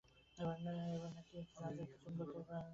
একবার নাকি একটি জাহাজ এক চুম্বকের পাহাড়ের নিকট দিয়া যাইতেছিল।